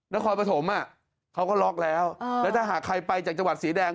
นครปฐมเขาก็ล็อกแล้วแล้วถ้าหากใครไปจากจังหวัดสีแดง